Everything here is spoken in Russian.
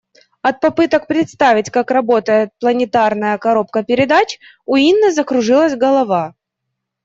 От попыток представить, как работает планетарная коробка передач, у Инны закружилась голова.